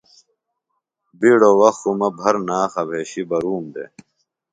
بِیڈوۡ وخت خوۡ مہ بھرناخہ بھیشیۡ بہ روم دےۡ